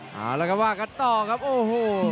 แล้วก็ว่ากันต่อครับโอ้โห